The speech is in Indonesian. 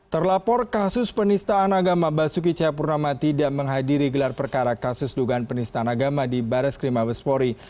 terlapor kasus penistaan agama basuki cahayapurnama tidak menghadiri gelar perkara kasus dugaan penistaan agama di baris krim abespori